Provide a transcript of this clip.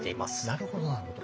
なるほどなるほど。